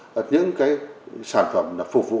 và những sản phẩm phục vụ